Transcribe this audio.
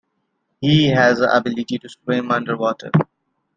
He has the ability to swim underwater.